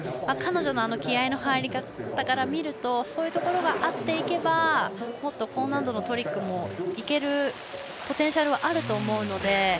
彼女の気合いの入り方から見るとそういうところが合っていけばもっと高難度のトリックもいけるポテンシャルはあると思うので。